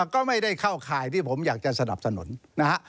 ก็ไม่ได้เข้าข่ายที่ผมอยากจะสนับสนุนนะฮะ